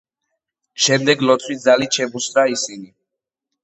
შემდეგ ლოცვის ძალით შემუსრა ისინი.